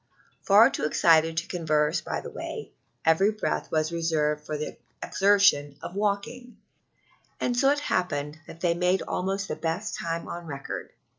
Far too excited to converse by the way, every breath was reserved for the exertion of walking, and so it happened that they made almost the best time on record.